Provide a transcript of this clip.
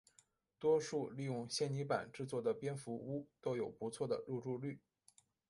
多数利用纤泥板制作的蝙蝠屋都有不错的入住率。